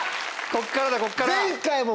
こっからだこっから。